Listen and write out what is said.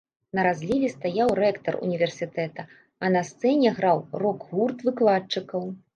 На разліве стаяў рэктар універсітэта, а на сцэне граў рок-гурт выкладчыкаў.